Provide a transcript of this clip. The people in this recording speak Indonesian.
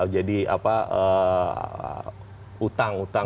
jadi apa utang utang